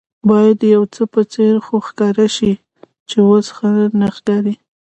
باید د یوڅه په څېر خو ښکاره شي چې اوس ښه نه ښکاري.